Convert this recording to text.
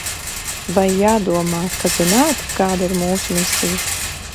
Vai jādomā, ka zināt, kāda ir mūsu misija?